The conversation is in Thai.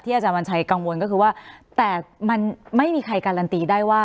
อาจารย์วันชัยกังวลก็คือว่าแต่มันไม่มีใครการันตีได้ว่า